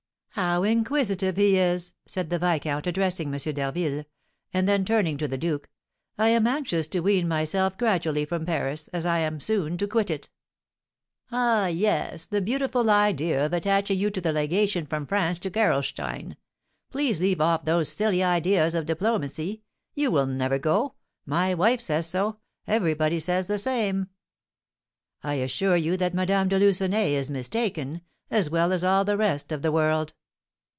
"How inquisitive he is!" said the viscount, addressing M. d'Harville; and then, turning to the duke, "I am anxious to wean myself gradually from Paris, as I am soon to quit it." "Ah, yes, the beautiful idea of attaching you to the legation from France to Gerolstein! Pray leave off those silly ideas of diplomacy! You will never go. My wife says so, everybody says the same." "I assure you that Madame de Lucenay is mistaken, as well as all the rest of the world."